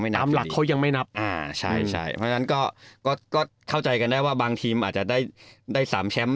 เพราะฉะนั้นก็เข้าใจกันได้ว่าบางทีมอาจจะได้๓แชมป์